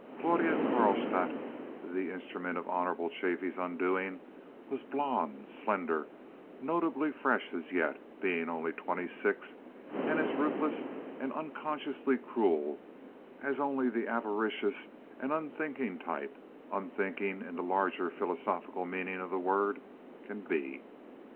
Claudia Carlstadt—the instrument of the Honorable Chaffee's undoing—was blonde, slender, notably fresh as yet, being only twenty six, and as ruthless and unconsciously cruel as only the avaricious and unthinking type—unthinking in the larger philosophic meaning of the word—can be.